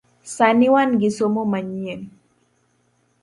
Sani wan gi somo manyien